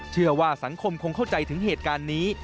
เชื่อว่าสังคมคงเข้าใจถึงเหตุการณ์นี้